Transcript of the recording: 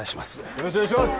よろしくお願いします